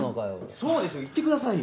そうですよ言ってくださいよ。